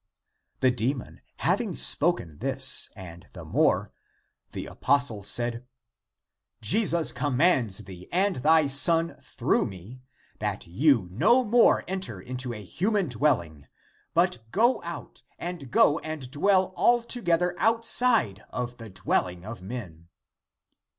The demon having spoken this and the more, the apostle said, " Jesus commands thee and thy son through me, that you no more enter into a human dwelling but go out and go and dwell alto gether outside of the dwelling of men!"